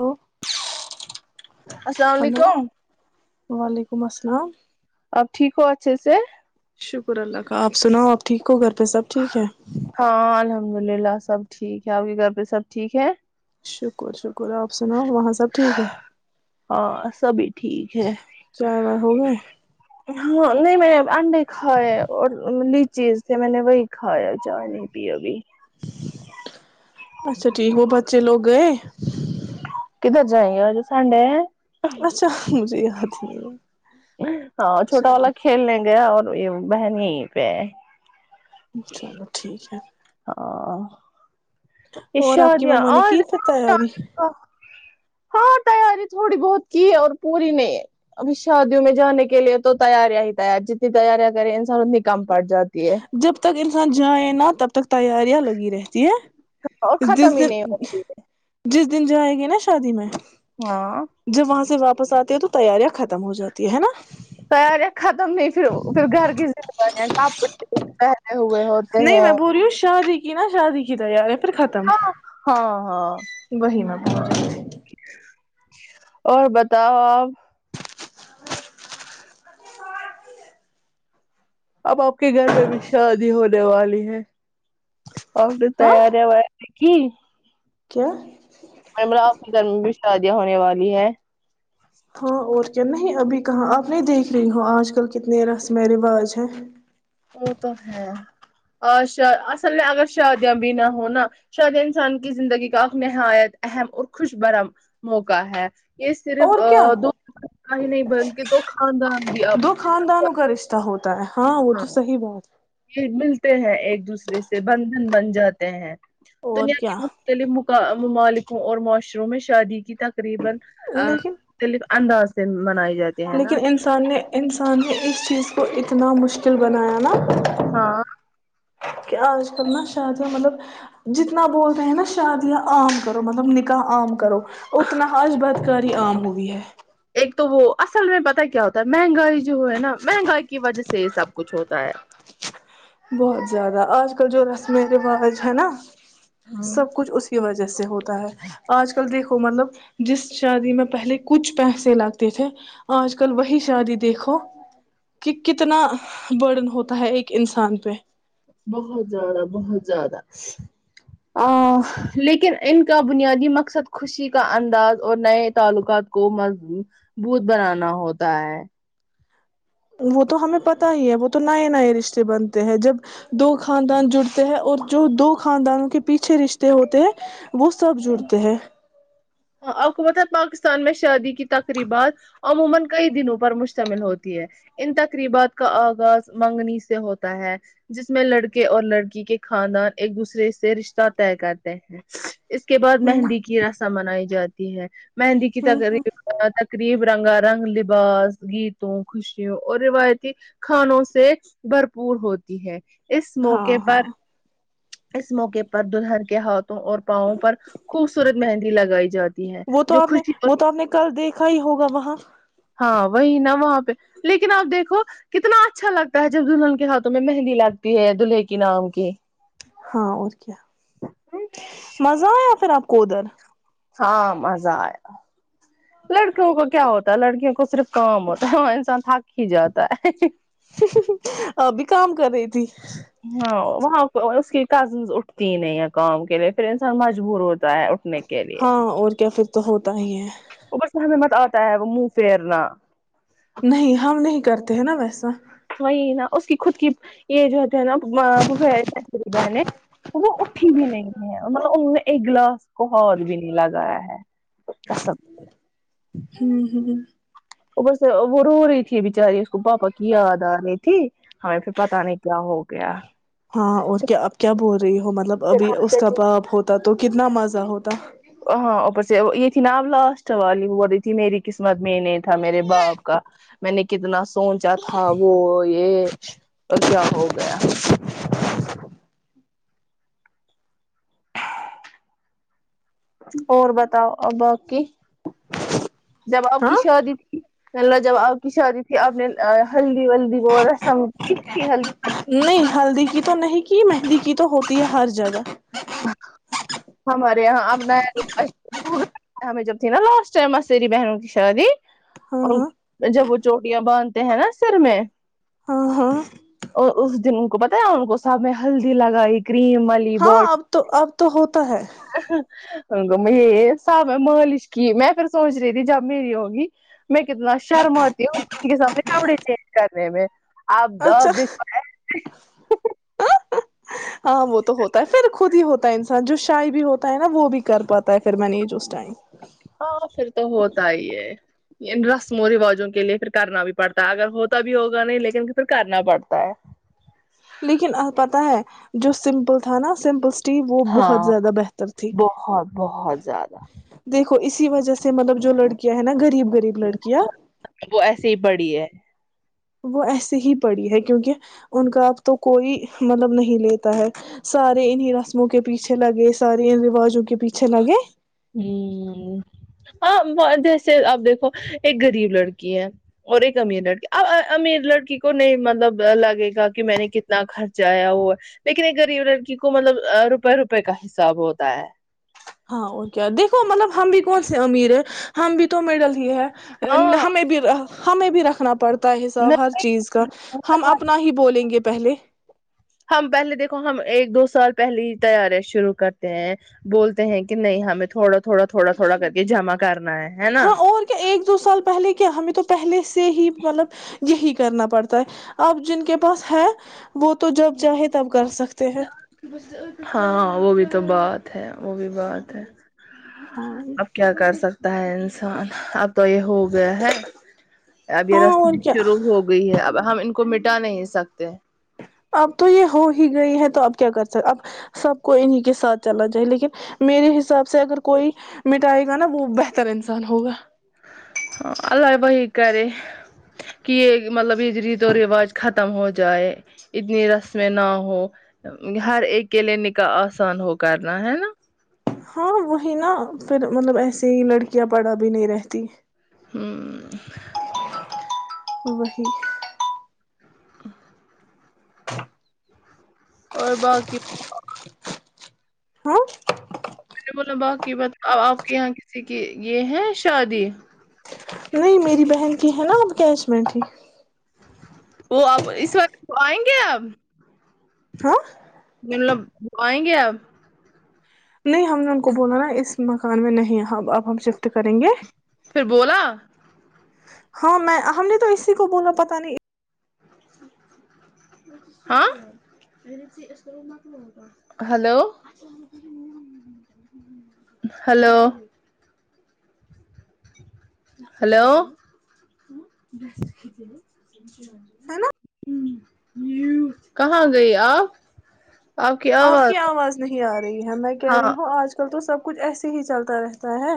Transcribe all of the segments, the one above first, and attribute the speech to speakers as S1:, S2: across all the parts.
S1: Hello [inaudible]
S2: السلام علیکم
S1: وعلیکم السلام
S2: آپ ٹھیکو اچ س
S1: شکر اللہ کا آپ سناؤ آپ ٹھیک ہو کر
S2: ہاں الحمد للہ سب ٹھیک ہے آپ کے گھر پہ سب ٹھیک ہے
S1: شکر شکر آپ سے سناو وہاں سب ٹھیک ہے
S2: ہاں سبھی ٹھیک ہے
S1: چائے وائے ہو گئے
S2: ہاں نہیں میں انڈے کھائے اور لیچیز تھے میں نے وہی کھایا چائے نہیں پی ابھی
S1: اچھا ٹھیک وہ بچے لوگ گئے
S2: کدھر جائیں گے و جو سڈے
S1: اچھا مج جے گرچ نہیںل ہے
S2: ہاں چھوٹا والا
S1: چلو
S2: کھیلنے گیا اور تو یہ بہن پہ
S1: چلو ٹھیک ہے
S2: ہ ا
S1: اور آپ کی
S2: شادیاں
S1: مما نے
S2: اور
S1: کی پھر تیاری
S2: شاد ہاں تیاری تھوڑی بہت کی اور پوری نہیں ابھی شادیوں میں جانے کے لیے تو تیاریاں ہی تیار جتنی تیاریاں کرے انسان اتنی کم پڑ جاتی ہے
S1: ان جاے نا تب تک تیاریاں لگی رہتی
S2: اور
S1: ہیں
S2: ختم
S1: جس
S2: ہی نہیں ہوتی ہے.
S1: جس انجوائے گی نا شادی میں
S2: ہاں
S1: جب وہاں سے واپ واپس آتے ہیں تو تیاریاں ختم ہو جاتی ہے نا
S2: تیاریاں ختم پھر گھر کی زمےداریاں
S1: نہیں میں بول رہی ہوں شادی کی نا شادی [unintelligible] پھر ختم
S2: ہاں ہاں ہاں
S1: وہی میں
S2: اور بتاؤ آپ [unintelligible] اب آپ کے گھر میں بھی شادی ہونے والی ہے
S1: ہاں
S2: [unintelligible] کی
S1: کیا
S2: میم میری اف کیرن میں شادی ہونے والی ھے
S1: ہاں اور کیا ابھی کہاں آپ نہیں دیکھ رہی ہو آج کل کتنے رسم رواج ہیں
S2: وہ تو ہے اصل میں اگر شادیاں بھی نہ ہناا شادیا انسان کی زندگی کا نہایت اہم اور خوش برم موقع ہے یہ صرف
S1: اور کیا
S2: دو کا ہی نہیں بلکہ دو خاندان بھی اب
S1: دو خاندانوں کا رشتہ ہوتا ہوتا ہے ہاں وہ تو صحیح بات
S2: یہ ملتے ہیں ایک دوسرے سے بندھن بن جاتے ہیں
S1: اور
S2: دنیا
S1: کیا
S2: کی مختلف م ممالک اور معاشروں میں شادی کی تقریبا
S1: لیکن
S2: [unintelligible] انداز سے منائے جاتے ہیں نا
S1: لیکن انسان نے انسان نے اس چیز تو اتنا مشکل بنایا نا
S2: ہاں
S1: کہ آج کل نا شادیاں مطلب جتنا بول رہے ہیں نا شادیاں عام کرو مطلب نکاح عام کرو اتنا حج بت گالی عام ہوئی ہے
S2: ایک تو وہ اصل میں پتا کیا ہوتا ہے مہنگائی جو ہے نا مہنگائی کی وجہ سے یہ سب کچھ ہوتا ہے
S1: بہت زیادہ آج کل جو رسم رواج ہے نا
S2: ہاں
S1: سب کچھ اس کی وجہ جیس ہوتا ہے آج کل دیکھو مطلب جس شادی میں پہلے کچھ پیسے لگتے تھے آج کل وہی شادی دیکھو کہ کتنا برڈن ہوتا ہے ایک انسان کا [inaudible]
S2: بہت زیادہ بہت زیادہ لیکن ان کا بنیادی مقصد خوشی کا انداز اور نئے تعلقات کو م مضبوط بنانا ہوتا ہے
S1: وہ تو ہمیں پتا ہی ہے وہ تو نئے نئے رشتے بنتے ہیں جب دو خاندان جڑتے ہیں اور جو دو خاندانوں کے پیچھے رشتے ہوتے ہیں وہ سب جڑتے ہیں
S2: اں حکومت ہے پاکستان میں شادی کی تقریبات [inaudible] اس کے بعد مہندی کی رساں منائی جاتی ہے مہندی کی تقیب قریب رنگا رنگ لباس گیتوں خوشیوں اور روایتی کھانوں سے بھرپور ہوتی ہے اس موقعے
S1: ہاں
S2: پر
S1: ہاں
S2: اس موقع پر دلہر کے ہاتھوں اور پاؤوں پر خوبصورت مہندی لگائی جاتی ہے
S1: وہ تو
S2: جو
S1: آپ نے
S2: خوشی اور
S1: وہ تو آپ نے کل دیکھا ہی ہوگا وہاں
S2: ہاں وہی نا وہاں پہ لیکن اب دیکھو کتنا اچھا لگتا ہے جب دلہن کے ہاتھوں میں مہندی لگتی ہے دلہے کی نام کی
S1: ہاں اور کیا مزہ آیا پھر آپ کو کودر
S2: ہاں مزہ آیا لڑکوں کو کیا ہوتا لڑکیوں کو صرف کام ہوتا ہے ہاں انسان تھک ہی جاتا ہے
S1: ابھی کام کر رہی تھی
S2: ہاں وہاں اس کی کزن اٹھتی نہیں ہے کام کے لیے پھر انسان مجبور ہوتی ہوتا ہے اٹھنے کے لیے
S1: ہاں اور کیا پھر تو ہی ہے
S2: وہ بس ہم مت آتا تا ہے وہ منہ فرنا
S1: نہیں ہم نہیں کرتے ہیں نا ویسا
S2: وہی نا اس کی خود کی یہ جوتے ناری بہن وہ اٹھی بھی نہیں ہے ملب انہوں نے ایک گلاس کو ہود بھی نہیں لگایا ہے کا سب
S1: ہوں ہ
S2: ا سے وہور اے بیچاری اس کو پاپا کی یاد آ رہنے تھی ہمیں پھر پتا نہیں کیا ہو گیا
S1: ہاں اور کیا اب کیا بول رہ رہی ہو مطلب
S2: پھر
S1: ابھی
S2: ہم
S1: اس کا پاپ ہوتا تو کتنا مزہ ہوتا
S2: ہ ہاں اوپر سے یہ جناب لاسٹ والی ہو رہی تھی میری قسمت میں نہیں تھا میرے باپ کا میں نے کتنا سوچا تھا وہ یہ پر کیا ہو گیا اور بتاؤ ا بقی جباب کی
S1: ہاں
S2: شادی تھی ملہ جب آپ کی شادی تھی آپ نے ہلدی ولدی وہ رسم ک ہلی
S1: نہیں ہلدی کی تو نہیں مہندی کی تو ہوتی ہے ہر جگہ
S2: ہمارے یہاں اب ن ہو ہمیں جب تھی نا لاسٹ ٹائم آسری بہنوں کی شادی
S1: ہاں
S2: اور
S1: ہاں
S2: جب چوٹیاں باندھتے ہیں نا سر میں
S1: ہاں ہاں
S2: اور اس دن ان کو بتایا ان کو سامنے ہلدی لگائی کریم ملی بی
S1: ہاں اب تو اب تو ہوتا ہے
S2: یہ سب میں مالش کی میں پھر سوچ رہی تھی جب میری ہوگی میں کتنا شرم آتیی کے سامنے کپڑے چینج کرنے میں آپ
S1: اچھا
S2: دوپ دیکھ پائے
S1: ہاں وہ تو ہوتا ہے پھر خود ہی ہوتا انسان جو شی بھی ہوتا ہے نا وہ بھی کر پاتا ہے پھر میں نے یہ جو اس ٹائم
S2: ہاں پھر تو ہوتا ہی ہے رسم و رواجوں کے لیے پھر کرنا بھی پڑتا ہے اگر ہوتا بھی ہوگا نہیں لیکن پھر کرنا پڑتا ہے
S1: لیکن پتہ ہے جو سمپل تھا نا سمپل ت وہ بہت
S2: ہاں
S1: زیادہ بہتر تھی
S2: بہت بہت زیادہ
S1: دیکھ اسی وجہ سے مطلب جو لڑیا ہیں نا غریب غریب لڑکیاں
S2: وہ ایسے ہی پڑی ہے
S1: وہ ایسے ہی پڑی ہے کیونکہ ان کا اب تو کوئی مطلب نہیں لیتا ہے سارے انیں رسموں کے پیچھے لگے سارے ان رواجوں کے پیچھے لگے
S2: ہوں ہ جیسے آپ دیکھو ایک غریب لڑکی ہے اور ایک امیر لڑکی اب امیر لڑکی کو نہیں مطلب لگے گا کہ میں نے کتنا خرچا ہے وہ لیکن ایک غریب لڑکی کو مطلب روپئے روپئے کا حساب ہوتا ہے
S1: ہاں وہ کیا دیکھو مطلب ہم بھی کون سے امیر ہے ہم بھی تو میڈل ہی ہے
S2: ہاں
S1: ہمیں بھی ہمیں بھی رکھنا پڑتا ہوتا ہے حساب ہر چیز کا ہم اپنا ہی بولیں گے پہلے
S2: ہم پہلے دیکھو ہم ایک دو سال پہلے ہی تیاریا شروع کرتے ہیں بولتے ہیں کہ نہیں ہمیں تھوڑا تھوڑا تھوڑا تھوڑا کر کے جمع کر
S1: ہاں اور کیا ایک دو سال پہلے کیا ہمیں تو پہلے سے ہی مطلب یہی کرنا پڑتا ہے اب جن کے پاس ہے وہ تو جب چاہے تب کر سکتے ہیں
S2: ہاں وہ بھی [unintelligible] تو بات ہے وہ بھی بات ہے
S1: ہاں
S2: اب کیا کر سکتے ہوتا ہے انسان اب تو یہ ہو گیا ہے اب یہ
S1: ہاں
S2: رسم بھی
S1: اور کیا
S2: شروع ہو گئی ہے اب ہم ان کو مٹا نہیں سکتے
S1: اب تو یہ ہو ہی گئی ہے تو اپ کیا کر سکتے اب سب کو انیں کے ساتھ چلنا چائے لیکن میرے حساب سے اگر کوئی مٹائے گا نا وہ بہتر انسان ہوگا
S2: ہ اللہ وہی کرے کہ یہ مطلب یہ ریت و رواج ختم ہو جائے اتنی رسمیں نہ ہو ہر ایک کے لیے نکاح آسان ہو کرنا ہے نا
S1: ہاں وہی نا پھر مطلب ایسے ہی لڑکیاں پڑا بھی نہیں رہتی
S2: ہوں
S1: وہ ہی
S2: [unintelligible] اور باقی
S1: ہاں
S2: میں نے بولا باقی بات آپ کے یہاں کسی کی یہ ہے شادی
S1: نہیں میری بہن کی ہے نا اکیچمنٹ ہی
S2: وہ اب اس وقت آئیں گے اب
S1: ہ [unintelligible]
S2: مطلب آئیں گے آپ
S1: نہیں ہم نے ان کو بولا نا اس مکان میں نہیں ا اب ہم شفٹ کریں گے
S2: پھر بولا
S1: ہاں میں ہم نے تو اسی کو بولا پتا نہیں
S2: ہاں ہلو ہلو ہلو
S1: ہے نا
S2: کہاں گئی آپ
S1: آپ کی آواز نہیں آ رہی ہے میں کہہ
S2: ہاں
S1: رہی ہوں آج کل تو سب کچھ ایسے ہی چلتا رہتا ہے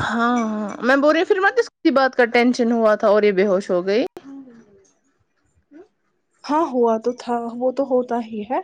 S2: ہاں ہاں میں بول رہی ہ پھر کسی بات کا ٹینشن ہوا تھا اور یہ بے ہوش ہو گئی
S1: ہاں ہوا تو تھا وہ تو ہوتا ہی ہے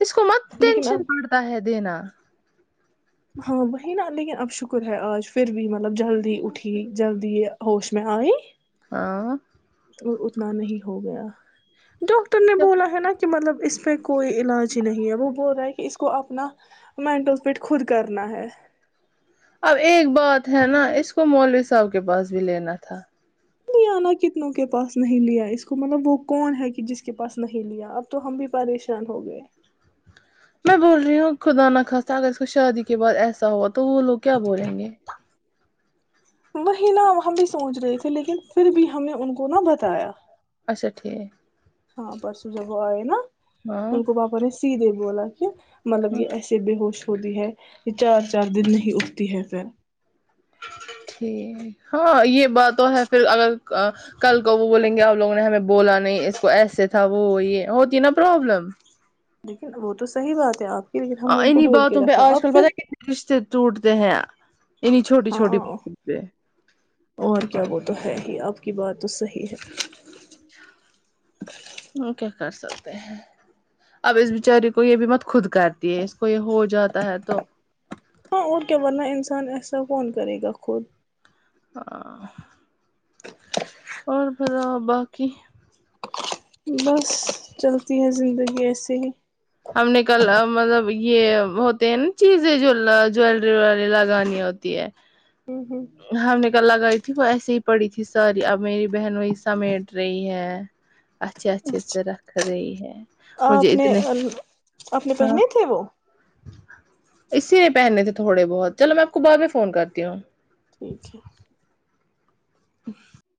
S2: اس کو مت
S1: لیکن اب
S2: ٹینشن پڑتا ہے دینا
S1: ہاں وہی نا لیکن اب شکر ہے آج پھر بھی ملب مطلب جلدی اٹھی جلدی ہوش میں آئی
S2: ہاں
S1: اور اتنا نہیں ہو گیا ڈاکٹر نے بولا ہے نا کہ مطب اس پق کوئی علاج ہی نہیں ہے وہ بول رہا ہے کہ اس کو کو اپنا مینٹوز پیٹ خود کرنا ہے
S2: اب ایک بات ہے نا اس کو مولوی صاحب کے پاس بھی لینا تھا
S1: لے نا کتنوں کے پاس نہیں لیا اس کو مطلب وہ کون ہے کہ جس کے پاس نہیں لیا اب تو ہم بھی پریشان ہو گئے
S2: میں بول رہی ہوں خدا ن خواستہ اگر اس کو شادی کے بعد ایسا ہو تو تو وہ لوگ کیا بولیں گے
S1: وہی نہا ہم بھی سوچ رہے تھے لیکن پھر بھی ہم نے ان کو نہ بتایا
S2: اچھا ٹھیک
S1: ہاں پرسوں جب آے نا ان
S2: ہاں
S1: کو وہاپر ہے سی دےو بولا کہ مطلب یہ ایس ب ہووش ہوتی ہے یہ چار چار دن نہیں اٹھتی ہے پھر
S2: ٹھیک ہاں یہ بات تو ہے پھر اگر کل کو وہ بولیں گے ا لوگوں نے ہمیں بولا نہیں اس کو ایسے تھا وہ یہ ہوتی نا پرابلم
S1: لیکن وہ تو صحیح بات ہے آپ کی لیکن ہم نے ان کو
S2: انہیں
S1: بول کے
S2: باتوں پہ
S1: رکھا
S2: آج
S1: اب
S2: کل پتہ
S1: پھر
S2: ہے کتنے رشتے ٹوٹتے ہیں انہیں چھوٹی چھوٹی
S1: ہاں
S2: باتوں پہ
S1: اور کیا وہ تو ہے ہی آپ کی بات تو صحیح ہے
S2: ہ کیا کر سکتی اب اس بیچاری کو یہ بھی مت خود کرتی ہے کوئی ہو جاتا ہے تو
S1: ہاں اور کیا ورنہ ہے انسان ایسا کون کرے گا خود
S2: ہ اور پت باقی
S1: بس چلتی ہے زندگی ایسے ہی
S2: ہم نے کل مطلب یہ ہوتے ہیں نا چیزیں جو جویلری وری لگانی ہوتی ہے
S1: ہوں ہوں
S2: ہم نے لگائی تھی وہ ایسے ہی پڑی تھی ساری اب میری بہن وہی سمیٹ رہی ہے اچھے اچھے سے
S1: اچھا
S2: رکھ رہی ہے مجھے
S1: اپ نے
S2: اتنے
S1: اپنے
S2: ہاں
S1: پہنے تھے وہ
S2: اسی میں پہننے تھے تھوڑے بہت چلو میں آپ کو بعد میں فون کرتی ہوں
S1: اٹھ ہے
S2: ا [inaudible]